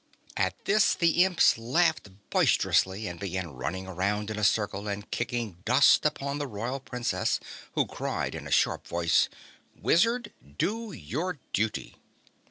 At this the Imps laughed boisterously and began running around in a circle and kicking dust upon the Royal Princess, who cried in a sharp voice: "Wizard, do your duty!"